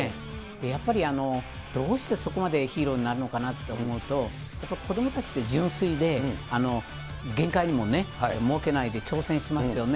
やっぱりどうしてそこまでヒーローになるのかなって思うと、やっぱり子どもたちって純粋で、限界も設けないで挑戦しますよね。